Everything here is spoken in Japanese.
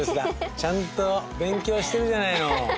ちゃんと勉強してるじゃないの。